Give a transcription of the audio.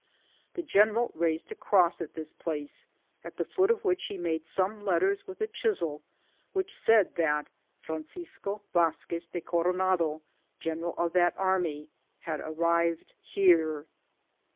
The general raised a cross at this place, at the foot of which he made some letters with a chisel, which said that Fran cisco Vazquez de Coronado, general of that army, had arrived here.